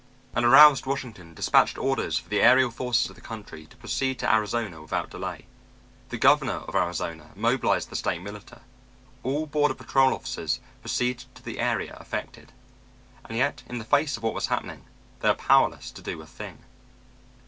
An aroused Washington dispatched orders for the aerial forces of the country to proceed to Arizona without delay. The governor of Arizona mobilized the state militia. All border patrol officers proceeded to the area affected. And yet in the face of what was happening they were powerless to do a thing.